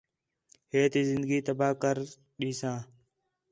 ہے تی زندگی تباہ کر ݙیساں